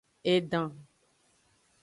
Edan.